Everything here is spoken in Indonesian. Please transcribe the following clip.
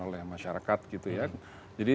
oleh masyarakat jadi